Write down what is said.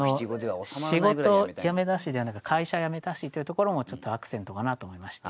「仕事やめたし」ではなく「会社やめたし」というところもちょっとアクセントかなと思いまして。